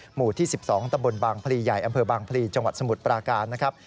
หมู่ที่๑๒ตำบลบางพลีใหญ่อำเภอบางพลีจังหวัดสมุทรปราการนะครับ